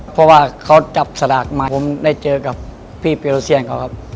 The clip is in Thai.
เพราะว่าเขาจับสลากมาผมได้เจอกับพี่ปิโลเซียนเขาครับ